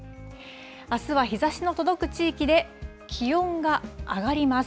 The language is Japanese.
あすは日ざしの届く地域で気温が上がります。